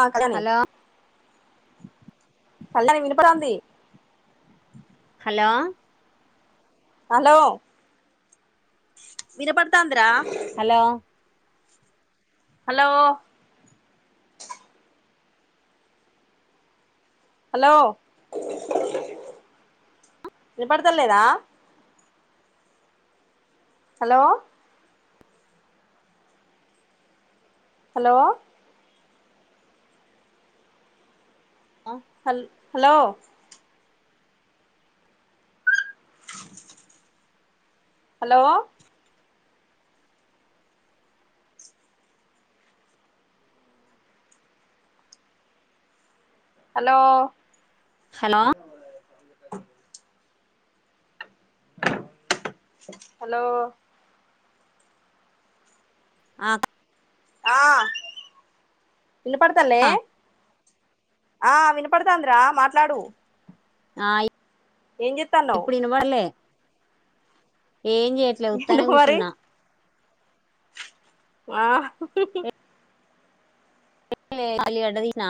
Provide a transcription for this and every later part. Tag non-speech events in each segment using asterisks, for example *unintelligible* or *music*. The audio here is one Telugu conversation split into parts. ఆక్కని హలో కళ్యాణ వినిపడాంది హలో హలో వినపడతందిరా హలో హలో హలో వినపడతాలేదా హలో హలో హల్ hello *unintelligible* hello hello hello *unintelligible* hello ఆ ఆ వినపడతాలే ఆ వినపడతందిరా మాట్లాడు ఆ ఇ ఏం చేత్తన్నావ్ ఇప్పుడు వినపడలే ఏం చెయట్లే ఉత్తగానే ఎందుకు మరి కూర్చున్నా ఆ హు హు ఎం లే ఆలుగడ్డ తిన్న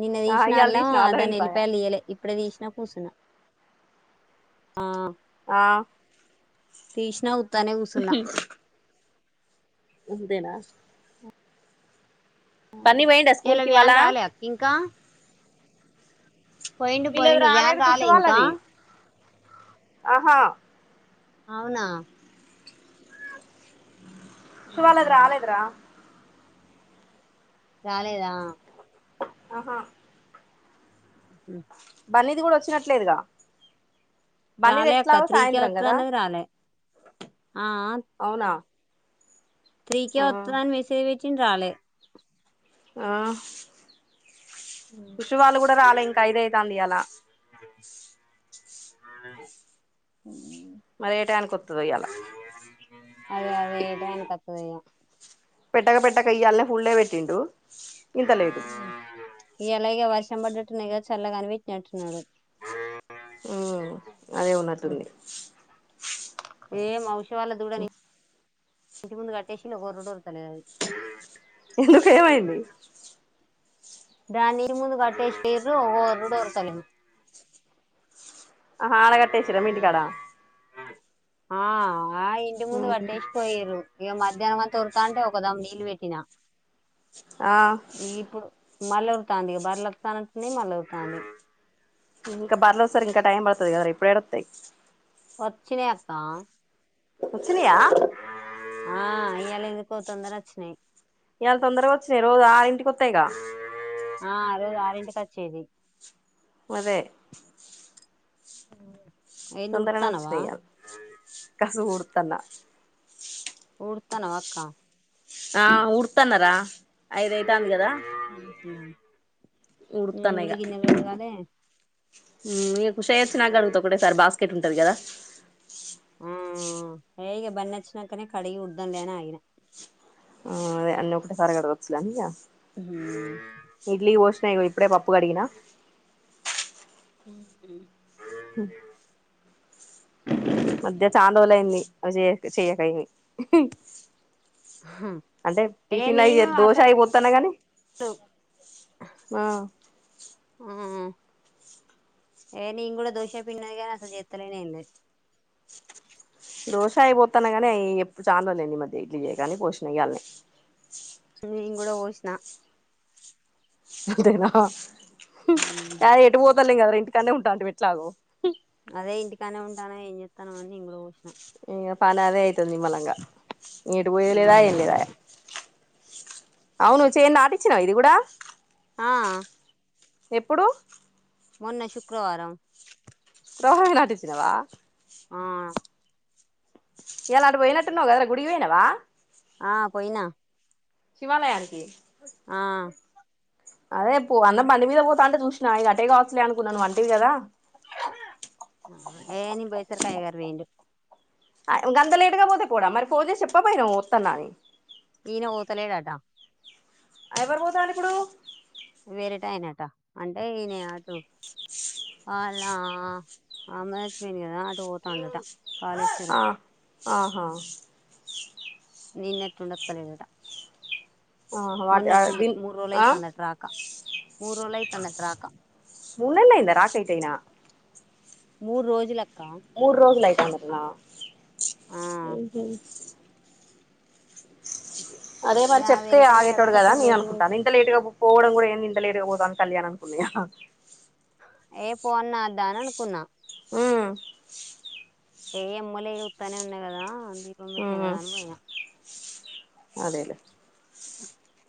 నిన్న ఆ తీసిన ఇయ్యాల అల్లం తీసినవా దాని ఎల్లిపాయ వెళ్లిపాయాలు తీయలే ఇప్పుడే తీసినా కూర్చునా ఆ ఆ తీశిన ఉత్తగానే కూర్చున్న ముందేనా కన్నీ పోయిండా స్కూల్ ఇయాల కి ఇవాళ వ్యాన్ రాలే అక్క ఇంకా పోయిండు వీళ్ళది పోయిండు వ్యాన్ రాలేదు కుషు రాలే ఇంకా వాళ్ళది ఆహా అవునా అక్క వాళ్లది రాలేదురా రాలేదా? అహా బన్నీది గుడ వచ్చినట్లేదుగా బన్నీది రాలే అక్క ఎట్లాగో త్రీకే సాయంత్రం కదా, వత్తదన్నది రాలే ఆ అవునా? త్రికే ఆ ఒత్తదని మెసేజ్ పెట్టిండు రాలే. ఆ సుష్షూ వాళ్ళు గుడ రాలే ఇంకా ఐదయితాంది ఇయాలా. మరి ఏ టైయానికి వత్తదో ఇయాల అదే అదే ఏ టయానిత్తదో ఇగ. పెట్టక పెట్టక ఇయ్యాలనే ఫుల్డే పెట్టిండు, ఇంతలేటు ఇయాల ఇగ వర్షం పడ్డట్టున్నయి కదా, చల్లగా అని పెట్టినట్టున్నడు. ఉమ్ అదే ఉన్నట్టుంది. ఏం ఔష వాళ్ళ దూడని ఇంటి ముందు కట్టేసిండు, ఇగ ఒర్రుడు ఒర్రుతలేదది. ఎందుకు ఏమైంది? దాని ముందు కట్టేసి పోయిర్రు, ఇగ ఒర్రుడు ఒర్రుతలేదది. అహా ఆడ కట్టేసిండ్రా మీ ఇంటికాడ ఆ ఆ ఇంటి ముందు ఉమ్ కట్టేసి పోయర్రు. ఇగ మధ్యాహ్నం అంతా ఓర్రుతా అంటే ఒకదమ్ము నీళ్ళు పెట్టినా. ఆ మల్లా ఒర్రుతాంది ఇగ బర్ల అస్తన్నట్టున్నాయ్ మల్ల ఒర్రుతాంది. ఇంకా బర్లోచేసరికి ఇంకా టైం పడుతది కదరా, ఇప్పుడేడ ఒస్తయి వచ్చినై అక్కా వచ్చినయా? ఆ ఇయ్యాల ఎందుకో తొందర అచ్చినయి. ఇయాళ తొందరగా వచ్చినయి, రోజు ఆరింటికి ఒత్తయిగా ఆ అదే ఆరెంటికచ్చేది. అదే ఉమ్ తొందరనే అచ్చినయ్ ఇయాల్ కసువు ఉడుతాన్న. ఊడుతానవక్క? ఆ ఊడతాన్నరా, ఐదయితాంది కదా. హ ఉడతాన్న ఇగ మీకు షేర్చినాకడుగుత ఒకటే సారీ బాస్కెట్ ఉంటంది కదా. ఆ హే ఇగ బన్నచ్చినంకనే కడిగి ఊడుద్దాం లే అని ఆగిన. ఆ అదే అన్నీ ఒకటె సారె కడగచ్చు గని ఇగ, ఇడ్లీ కి పోసిన ఇగో ఇప్ ఇప్పుడే పప్పు కడిగిన. హు మధ్య చాన రోజులయింది, అవి జెయ చెయకయింది. అంటే ఏ టిఫిన్లయి నేను చేత్, దోశ అయిపోత్తాన్న గని ఉమ్ ఏ నిను కూడా దోశా పిండి ఉన్నది గానీ అసలు చేతలేను ఎం లెద్ దోష అయిపోతన్నా కానీ అవి ఎప్పుడు చనరోజులుఐంది ఈ మధ్య ఇడ్లీ చేయకనీ పోషిణ ఇయ్యాల్నే నన్ కూడా పోసిన అంతేనా అ ఎటు పోతారులేం కదర ఇంటికన్నే ఉంటాంటిమి ఎట్లాగో అదే ఇంటికాన్నే ఉంటాన ఏం చెత్తనం అని నేను కూడా పోషిన ఇగ పని అదే అయితదిీ నీమ్మలంగా ఎటు పోయ్యేది లేదాయే ఎం లేదాయే అవును చేన్ నాటిచ్చినవ ఇది కూడా ఆ ఎప్పుడు మొన్న శుక్రవారం శుక్రవారమే నాటిచ్చినవా ఆ ఇయ్యాల అటు పోయినట్టున్నవ్ కాదర గుడికి పోయినవ ఆ పోయినా శివాలయానికి ఆ అదే పో అన్న బంటి మీద పోతంటే చూసినా ఇగ అటే కావచ్చలే అనుకున్నా నువ్ అంటివి కదా ఏ నిను పొయ్యి సరికే అయ్యగారు పోయిండు గందలేటుగపోతే పోడా మరి పోన్ చేసి చెప్పకపోయినవ్ వత్తన్నా అని ఈనే పోతలేడటా ఎవరుపోతండ్రు ఇప్పుడు వేరేటాయినట అంటే ఈయనే అటు వల్ల అమ్మ సచ్చిపోయింది కద అటు పోతాండట కాళేశ్వరం అ ఆహా నిన్నట్నుండి ఓత్తలెడట ఆహా వాటి మొన్నటి నుండి దీన్ మూడు ఆ రోజులైతందట రాక మూడు రిలైతందట రాక మున్నీళ్ళైంద రాక ఐతే ఇనా మూడు రోజులక్ మూడు రోజులైతందటన ఆ మ్ హు అదే ఇగ మరి చెప్తే వేరేటైన ఆగేటోడు కదా కొంచెం నేను లేటుగా అనుకుంటాన ఇంత లేటుగా పోవడం కుడా ఏంది ఇంత లేటుగ పో న్ కల్యాన్ అనుకున్న ఇగ ఏ పొవల్న్న వద్దఅననుకున్న హ్మ్ ఏ ఎమ్మోలే ఉత్తగానే ఉన్న కదా దీపం పెట్టినా కదా అని పోయినా అదేలే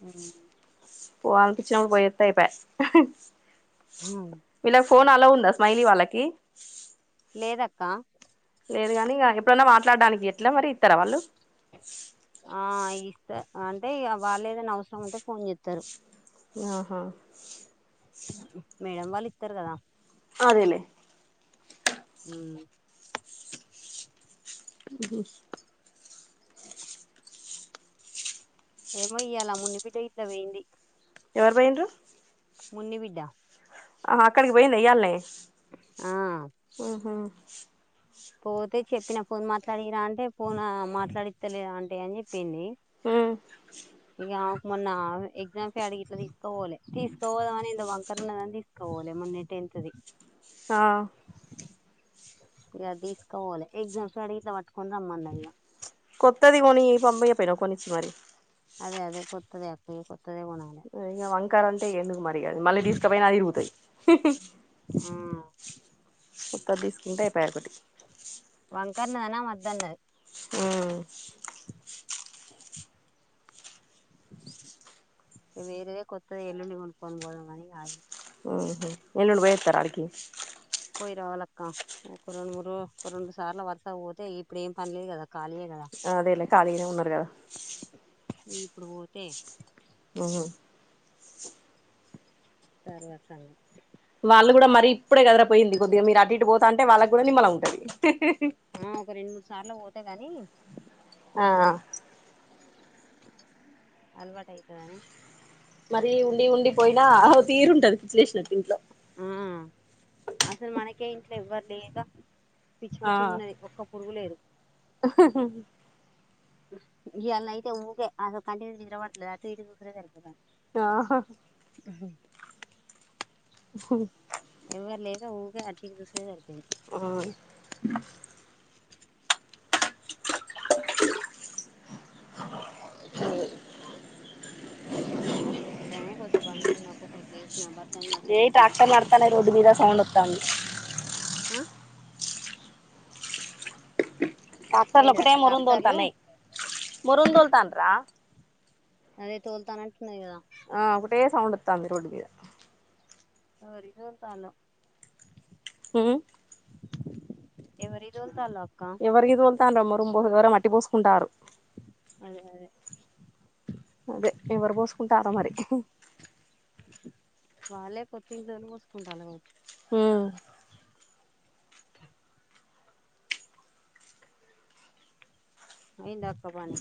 మ్ పోవాలనిపించినప్పుడు పోయోతే అయిపై హ ఫోన్ అలో ఉందా స్మైలీ వాళ్ళకి లేదక్క లేదు గానీ ఇగ ఎప్పుడన్నా మాట్లాడానికి ఎట్లా మరి ఇత్తర వాళ్ళు అ ఇస్త అంటే ఇగ వాళ్ళు ఏదైనా అవసరం అంటే ఫోన్ చెత్తారు అ హా మేడం వాళ్ళు ఇత్తారు కదా అదేలె హ్మ్ హ్మ్ హు *inaudible* ఏమో ఇయ్యాల మున్ని బిడ్డ ఇట్ల పోయింది ఎవరు పోయిండ్రు మున్ని బిడ్డ అహా అక్కడికిపోయింద ఈయల్నే ఆ పోతే చెప్పిన ఫోన్ మాట్లాడిరా అంటే ఫోన్ అ మాట్లాడిస్తలే అంటే అని చెప్ పిన్ని ఉమ్ ఇగ మొన్న ఎగ్జామ్స్ అడిగి ఇట్లా తీసుకపోలే తీసుకపోదామని ఎంతో బంకర్ ఉన్నదని తీసుకపో మొన్నెట్ట ఎంతది అ ఇగ తీసుకోవాలి ఎగ్జామ్స్ కాడికి ఇట్ల పట్టుకోని రమ్మన్నది ఇగ కొత్తది కొని *unintelligible* కొనిచ్చి మరి అదే అదే కొత్తదే *unintelligible* కొత్తదే కొనాలే కరెంట్ ఎందుకు మరి *unintelligible* మళ్ళీ తీసుకపోయినా అది పోతాది ఆ కొత్తది తీసుకుంటే అయిపాయ ఒకటి ఉమ్ *unintelligible* వేరేదే కొత్తది ఎల్లుండి కొనుక్కొని పోద మనీ ఇంగ ఆగిన ఉహు ఎల్లుండి పోయోతర ఆడికి పోయి రావాలక్క ఒక రెండు మూడు *unintelligible* ఒక రెండు సార్ల వరుసగ పోతే ఇప్పుడు ఏం పనలేదు కదా ఖాళీయే కదా అదేలే కలిగానే ఉన్నారూ కద ఇప్పుడు పోతే హు తర్వాత వాళ్ళు గూడ మరి ఇప్పుడే కదరా పోయింది కొద్దిగా మీరు అటు ఇటు పోతాంటే వాళ్ళక్ గూడ నిమ్మలం ఉంటది అంతే గాని ఆ అలవాటు అయితదని మరి ఉండి ఉండి పోయినా తీరుంటది పిచ్చిలేషినట్లు ఇంట్లో ఆ అసలు మనకే ఇంట్లో ఎవ్వర్ లేక పిచ్చి పిచ్చి ఉన్నది ఒక్క పురుగు లే హ్ హ్ ఇయాల్నైతే ఊకే అ కంటినిండా నిదరా పడతాలేదు ఊకె అటుఇటు సూసుడే సరిపోతంది ఆ హా ఆ ఏవర్లేక ఊకె అటుఇటు సూసుడే సరిపో ఆ అ లేస్తనే కోసేపు పండుకున్నా కోసేపు లేసిన బట్టలన్నీ మడ్తపెట్టిన ఏదో సౌండ్ ఒత్తంది అ టాక్టర్ల ఏడు ఒకటే దాకా డాక్టర్లు మొరంతొల్తానై మొరంతోల్తాన్రా. అదే తోల్తానట్టున్నయ్ గదా ఒకటే సౌండ్ ఒత్తాంది రోడ్డు మీద ఎవరియి తోల్తాన్లో హ్ము ఎవరియితోల్తాన్లో ఎవరియితోల్తాన్లో మొరం ఎవరో మట్టి పోసుకుంటార్రు. అదే అదే అదే ఎవరు పోసుకుంటార్రో మరి. వాళ్ళే కొత్తిఇంట్లోళ్ళు పోసుకుంటాన్లు కావచ్చు. హ్ము అయిందా అక్క పనీ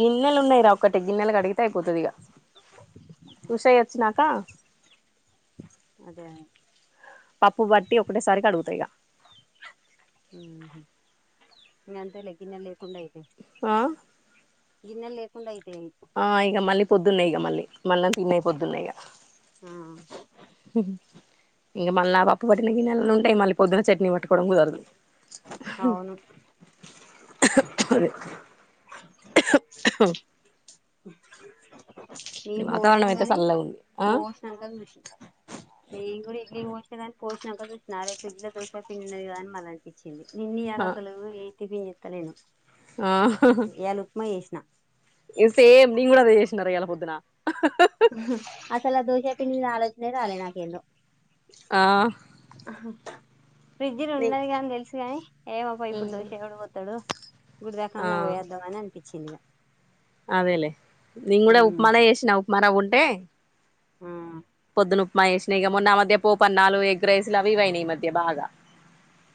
గిన్నెలు ఉన్నాయిరా ఒక్కటి గిన్నెలు అడిగితే అయిపోతది ఇగా. ఉషయ్య ఒచ్చినాకా అదే పప్పు బట్టి ఒకటేసారి కడుగుతా ఇగా ఊహు ఇంగ అంతే లే గిన్నల్లేకుండ ఐతయి. ఆ గిన్నెల్ లేకుండ ఐయి ఆ ఇగ మళ్ళీ పొద్దున్నే ఇగ మళ్ళీ మళ్ళం తిన్నయి పోద్దున్నే ఇగ ఆ ఊహు ఇంగ మళ్ళా పప్పు పట్టిన గిన్నెలు అన్ని ఉంటాయి. మళ్ళీ పొద్దున్న చట్నీ పట్టుకోవడం కుదరదు. అవును హ్ హ్ ఏం వాతావరణం పోషిణా అయితే గానీ చల్లగా ఉంది ఆ పోషినంక చూశిన నేన్ కూడా ఇడ్లీకి పోషినా గాని పోషినంక చూశినా అరె ఫ్రిజ్ ల దోశ పిండిఉన్నది గదా అని మల్లనిపిచ్చింది. నిన్నీ ఇయాల అసలూ ఆ ఏ టిఫిన్ చేత్తలేను ఆ న ఇగ సేమ్ నేన్ గూడా అదే చేశినర ఇయాళ పొద్దునా అసలు ఆ దోశాపిండి మీద ఆలోచనే రాలేదు నాకు ఏందో. ఆ ఫ్రిడ్జిలు ఉన్నది గాని తెల్సు గాని ఏమొ పో ఇప్పుడు దోష ఎవడు పోత్తడు. గుడి ఆ దాకాన్నన్న పోయొద్దాం అని అనిపిచ్చింది ఇగా అదేలే నేన్ గూడా ఉప్మానే చేశినా ఉప్మా రవ్వ ఉంటే. ఆ పొద్దున ఉప్మా చేశిన ఇగ మొన్నా ఆ మధ్యా పోపన్నాలు, ఎగ్రైసలు అవి ఇవయినయ్ ఈ మధ్య బాగా.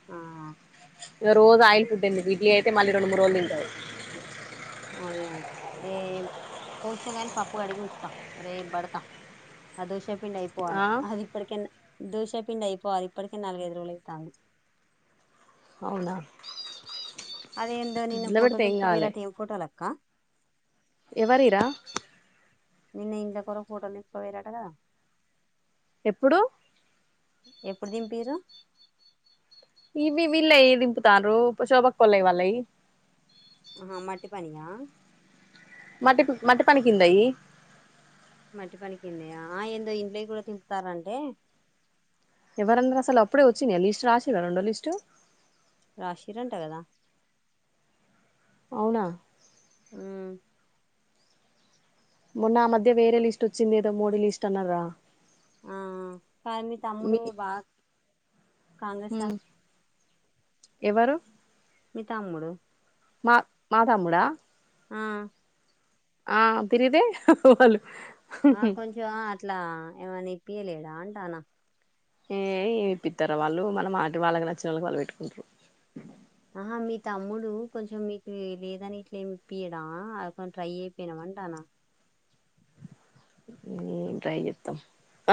ఆ ఇగ రోజు ఆయిల్ ఫుడ్ ఎందుకు ఇడ్లీ అయితే మళ్ళి రెండు మూడు రోజులు తింటరు. అదే అదే ఏం పోషినగాని పప్పు కడిగి ఉంచుతా రేప్ బడతా. అదోశ పిండి అయిపోవాలె ఆ అది ఇప్పడికన్న దోశ పిండి అయిపోవాలి ఇప్పటికే నాలుగైదు రోజులై తాకింది. అవునా అదే ఏందో ఫ్రిడ్జ్ నిన్న లో పెడితే ఫోటోలు ఏం దింపుకపోయిన్ రటా ఏం ఫోటోలక్కా. ఎవరియి రా నిన్న ఇంట్లక్ ఎవరో ఫోటోలు దింపుక పోయిన్రటా గదా. ఎప్పుడూ ఎప్పుడు దింపిర్రు ఇవి విల్ దింపుతారు ప శోభక్కవలై వాళ్ళయి ఆహా మట్టి పనికా మట్టి మటి పనికి కిందయి మట్టి పనికెలనియా ఆ ఏందో ఇంట్లోకి కూడా తింపుతారంటే ఎవరన్నరు అసలు అప్పుడే వచ్చింది లిస్ట్ రాసిన్రా రెండో లిస్ట్ రషీరంట కదా అవునా హ్మ్ మొన్న ఆ మధ్య వేరే లిస్ట్ వచ్చింది ఏదో మోడీ లిస్ట్ అన్నర్గా ఆ కానీ మీ తమ్ముడు బాగా కాంగ్రెస్ త మ్ ఎవరు మితమ్ముడు మా తమ్ముడా ఆ ఆ తీర్గితే వాళ్లు ఆ కొంచెం అట్లా ఏమైనా ఇప్పియలేద అంటానా ఏ ఏమిప్పితారు వాళ్ళు మనం మాటి వాళ్ళకి నచ్చిన వాళ్ళకి వాళ్ళు పెట్టుకుంటారు ఆహా మీ తమ్ముడు కొంచెం మీకు లేదని ఇట్లేమిప్పియడం అది కొం ట్రై అయిపోయినా అంటన నేన్ ట్రై చెస్తాం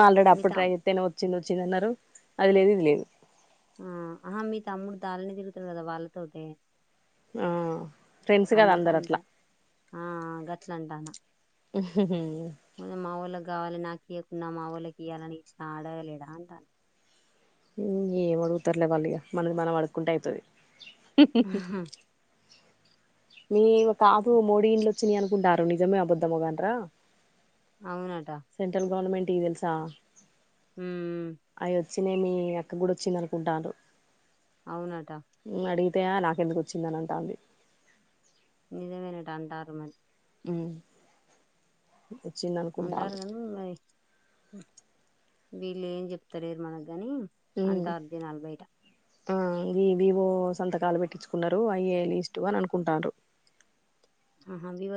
ఆల్రెడీ మీ అప్పుడు ట్రై తమ్ చెస్తానే వచ్చింది వచ్చిందన్నారు అది లేదు ఇది లేదు ఆ ఆహా మీ తమ్ముడు దాళని తిరుగుతాడు కదా వాళ్ళతోటే ఆ ఫ్రెండ్స్ కదా అందరు అందుకంట అట్లా ఆ గట్లంటానా హ్మ్మ్ వోళ్ళకి కావాలి నాకు ఇవ్వకుంన్నా మా వాళ్ళకి ఇయ్యాలని అన్ని అడగలేడా అంటాను ఏం అడుగుతారులే వాళ్ళులిగా మనది మనం అడుకుంటే ఐతది ఆహా మీ కాదు మోడీ ఇంలోచ్చిన అనుకుంటారు నిజమే అబధమగన్రా అవునటా టీతెల్సా హ్మ్ చ్చిన మిఅక్క కూడా వచ్చింద అనుకుంతన్రు అవునటా తే నాకెందుకు వచ్చిందని అంటాంది నిజమేనట అంటారు మరి ఉ అంటారు కని మరి వీళ్ళు ఏం చెప్తాలేరు మనకీ గాని మ్మ్ అంటరు జనాలు బయట ఆ వివో సంతకాలు పెట్టించుకున్నారు అయ ఇస్టు అని అనుకుంటున్నారు ఆహా వివ